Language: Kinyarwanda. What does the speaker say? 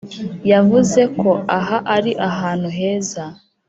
yavuze ko aha ari ahantu heza.